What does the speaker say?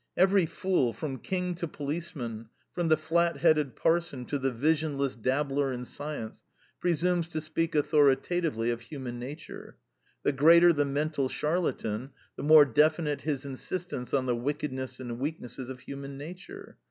Every fool, from king to policeman, from the flatheaded parson to the visionless dabbler in science, presumes to speak authoritatively of human nature. The greater the mental charlatan, the more definite his insistence on the wickedness and weaknesses of human nature.